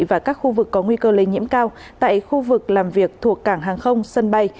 và các khu vực có nguy cơ lây nhiễm cao tại khu vực làm việc thuộc cảng hàng không sân bay